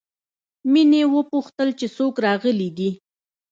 مينې وپوښتل چې څوک راغلي دي